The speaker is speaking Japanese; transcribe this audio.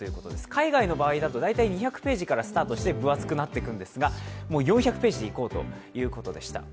海外の場合だと大体２００ページからスタートして分厚くなっていくんですがもう４００ページでいこうということでした。